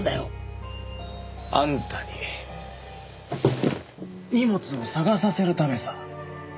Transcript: あんたに荷物を捜させるためさ。